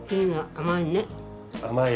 甘い？